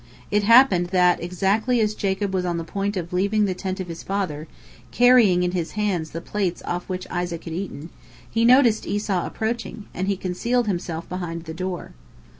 It happened that exactly as Jacob was on the point of leaving the tent of his father, carrying in his hands the plates off which Isaac had eaten, he noticed Esau approaching, and he concealed himself behind the door.